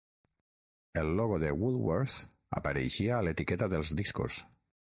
El logo de Woolworth apareixia a l'etiqueta dels discos.